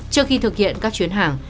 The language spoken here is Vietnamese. trước khi thực hiện các chuyến hàng